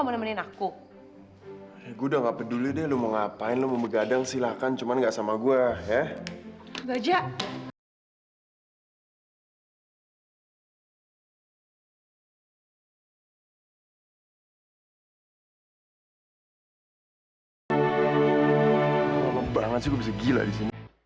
kenapa sih kok gue jalanin liat ke bawah terus